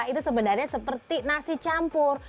itu sebenarnya seperti nasi campur